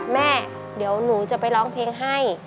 แม่เดี๋ยวหนูจะไปร้องเพลงให้